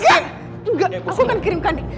aku akan kirim ke andi